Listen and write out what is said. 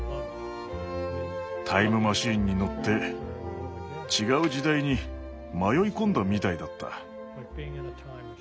タイムマシンに乗って違う時代に迷い込んだみたいだった。